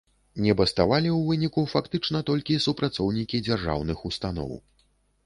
Не баставалі ў выніку фактычна толькі супрацоўнікі дзяржаўных устаноў.